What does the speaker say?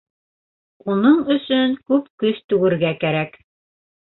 Уның өсөн күп көс түгергә кәрәк.